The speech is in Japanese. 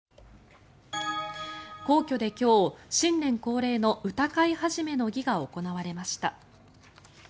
皇居で今日、新年恒例の歌会始の儀が行われました。